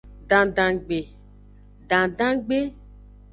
Dandangbe.